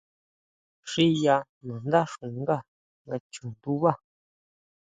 Xiya nandá xungá nga chu ndunbá.